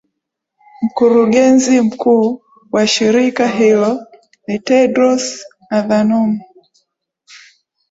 Mkurugenzi mkuu wa shirika hilo ni Tedros Adhanom